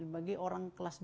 bagi orang kelas dua